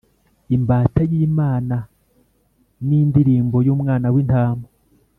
imbata y’Imana n’indirimbo y’Umwana w’Intama